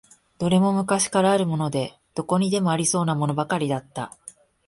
どれも昔からあるもので、どこにでもありそうなものばかりだった。